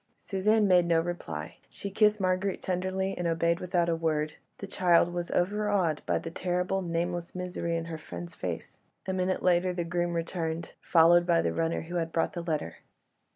Suzanne made no reply. She kissed Marguerite tenderly, and obeyed without a word; the child was overawed by the terrible, nameless misery in her friend's face. A minute later the groom returned, followed by the runner who had brought the letter.